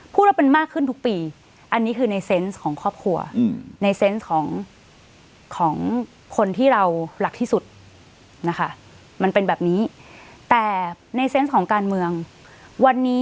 พูดแล้วเป็นมากขึ้นทุกปีอันนี้คือในเซนส์ของครอบครัว